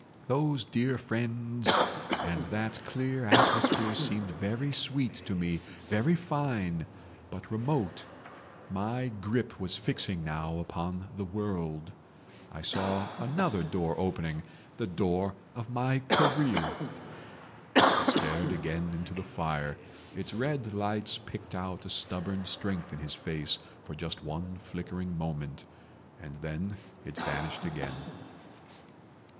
"Those dear friends and that clear atmosphere seemed very sweet to me, very fine, but remote. My grip was fixing now upon the world. I saw another door opening—the door of my career." He stared again into the fire. Its red lights picked out a stubborn strength in his face for just one flickering moment, and then it vanished again.